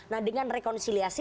nah dengan rekonisiliasi